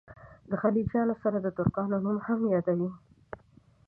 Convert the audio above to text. د خلجیانو سره د ترکانو نوم هم یادوي.